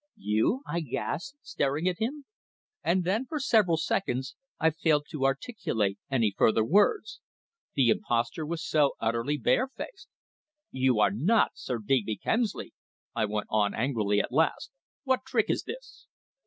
"You!" I gasped, staring at him. And then, for several seconds I failed to articulate any further words. The imposture was so utterly barefaced. "You are not Sir Digby Kemsley," I went on angrily at last. "What trick is this?"